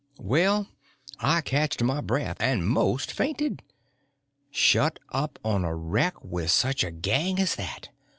Well, I catched my breath and most fainted. Shut up on a wreck with such a gang as that!